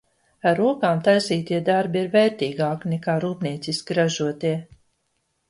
Ar rokām taisītie darbi ir vērtīgāki, nekā rūpnieciski ražotie!